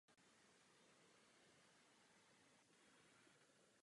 Muzeum spravuje Agentura Dobrý den spol.